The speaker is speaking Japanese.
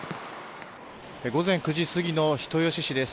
午前９時過ぎの人吉市です。